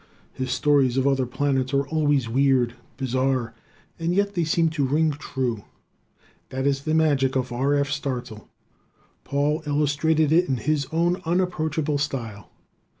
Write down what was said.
His stories of other planets are always weird, bizarre, and yet they seem to ring true. That is the magic of R. F. Starzl! Paul illustrated it in his own unapproachable style.